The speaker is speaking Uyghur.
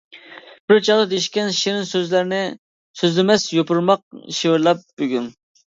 بىر چاغدا دېيىشكەن شېرىن سۆزلەرنى، سۆزلىمەس يوپۇرماق شىۋىرلاپ بۈگۈن.